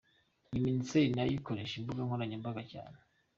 Iyi Minisiteri na yo ikoresha imbuga nkoranyambaga cyane.